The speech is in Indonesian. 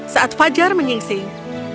saat fajar menyingsing